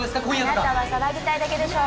あなたは騒ぎたいだけでしょ。